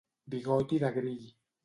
Bigoti de grill.